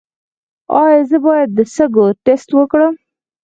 ایا زه باید د سږو ټسټ وکړم؟